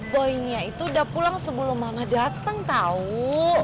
boynya itu udah pulang sebelum mama dateng tau